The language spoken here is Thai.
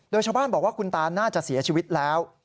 โดยชาวบ้านบอกว่าคุณตาน่าจะเสียชีวิตแล้ว